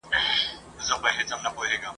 د کافي پیالې ته ناست دی په ژړا دی ..